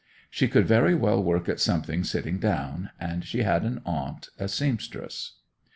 She could very well work at something sitting down, and she had an aunt a seamstress.